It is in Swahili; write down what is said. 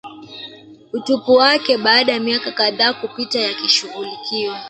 utupu wake baada ya miaka kadhaa kupita yakishughulikiwa